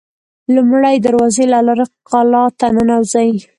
لومړۍ دروازې له لارې قلا ته ننوزي.